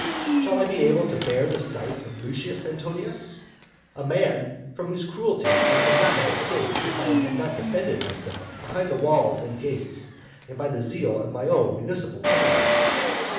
Shall I be able to bear the sight of Lucius Antonius? a man from whose cruelty I could not have escaped if I had not defended myself behind the walls and gates and by the zeal of my own municipal town.